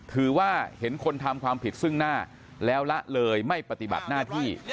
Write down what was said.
เห็นว่าเห็นคนทำความผิดซึ่งหน้าแล้วละเลยไม่ปฏิบัติหน้าที่